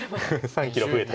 「３キロ増えた」